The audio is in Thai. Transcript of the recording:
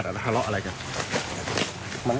ที่เขาบอก